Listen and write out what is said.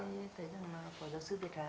vâng ở đây thấy là có giáo sư việt hà